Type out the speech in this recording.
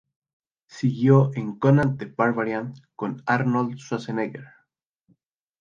Siguió en "Conan the Barbarian" con Arnold Schwarzenegger.